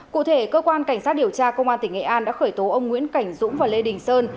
cụ thể cơ quan cảnh sát điều tra công an tỉnh nghệ an đã khởi tố ông nguyễn cảnh dũng và lê đình sơn